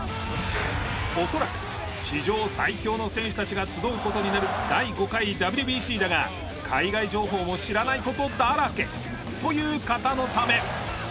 恐らく史上最強の選手たちが集う事になる第５回ＷＢＣだが海外情報も知らない事だらけという方のため。